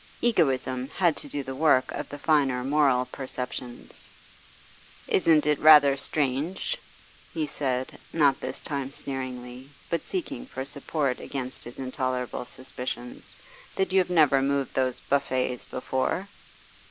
Egoism had to do the work of the finer moral perceptions. 'Isn't it rather strange,' he said, not this time sneeringly, but seeking for support against his intolerable suspicions, 'that you never moved those buffets before?